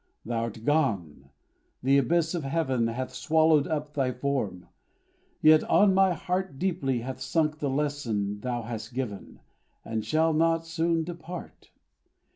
Thou'rt gone; the abyss of heaven Hath swallowed up thy form; yet, on my heart Deeply hath sunk the lesson thou hast given, And shall not soon depart.